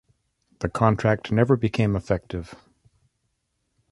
The contract never became effective.